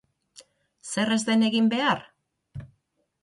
Zer ez den egin behar?